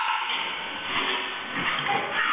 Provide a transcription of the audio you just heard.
เจ้าเจ้าเจ้า